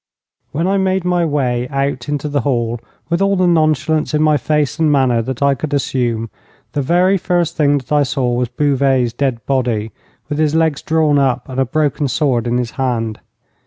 When I made my way out into the hall, with all the nonchalance in my face and manner that I could assume, the very first thing that I saw was Bouvet's dead body, with his legs drawn up and a broken sword in his hand.